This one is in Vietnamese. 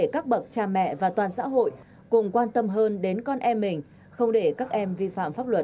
các bậc cha mẹ và toàn xã hội cùng quan tâm hơn đến con em mình không để các em vi phạm pháp luật